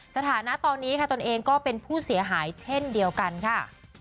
สถานะตอนนี้ค่ะตนเองก็เป็นผู้เสียหายเช่นเดียวกันค่ะ